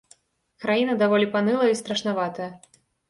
Краіна даволі панылая і страшнаватая.